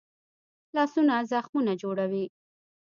لاسونه زخمونه جوړوي